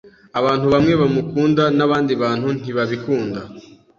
Abantu bamwe bamukunda nabandi bantu ntibabikunda.